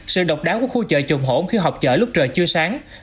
sự độc đáo của khu chợ trùm hổm khi họp chợ lúc trời chưa sáng